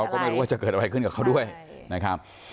ก็ไม่รู้ว่าจะเกิดอะไรขึ้นกับเขาด้วยนะครับ